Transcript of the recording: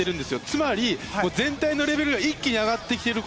つまり全体のレベルが一気に上がってきている